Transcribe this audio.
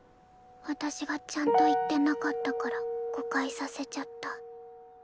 私がちゃんと言ってなかったから誤解させちゃった。